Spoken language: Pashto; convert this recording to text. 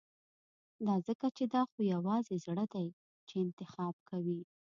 دا ځکه چې دا خو يوازې زړه دی چې انتخاب کوي.